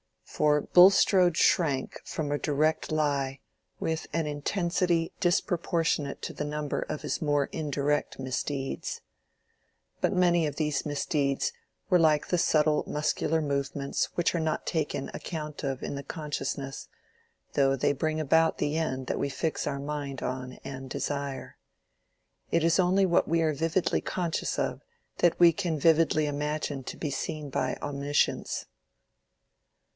For Bulstrode shrank from a direct lie with an intensity disproportionate to the number of his more indirect misdeeds. But many of these misdeeds were like the subtle muscular movements which are not taken account of in the consciousness, though they bring about the end that we fix our mind on and desire. And it is only what we are vividly conscious of that we can vividly imagine to be seen by Omniscience.